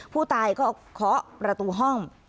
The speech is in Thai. ผู้ตายก็เคาะประตูห้อง